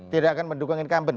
tidak akan mendukung incumbent